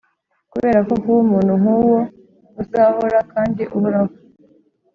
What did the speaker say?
kuberako kuba umuntu nkuwo uzahora kandi uhoraho